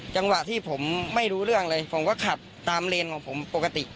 จังหวะที่ผมไม่รู้เรื่องเลยผมก็ขับตามเลนของผมปกติ